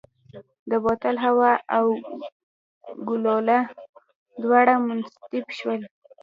د بوتل هوا او ګلوله دواړه منبسط شول.